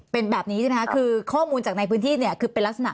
เป็นแบบนี้ใช่ไหมคะคือข้อมูลจากในพื้นที่เนี่ยคือเป็นลักษณะ